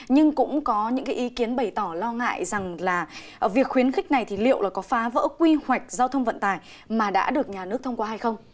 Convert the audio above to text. nhưng cũng có những cái ý kiến bày tỏ lo ngại rằng là việc khuyến khích này thì liệu là có phá vỡ quy hoạch giao thông vận tải mà đã được nhà nước thông qua hay không